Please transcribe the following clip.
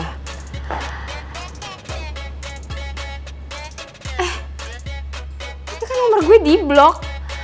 eh tapi kan nomer gue di block